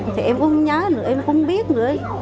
thì em cũng không nhớ nữa em cũng không biết nữa